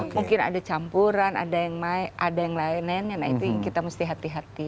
mungkin ada campuran ada yang lain nah itu yang kita mesti hati hati